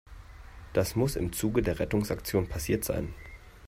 Das muss im Zuge der Rettungsaktion passiert sein.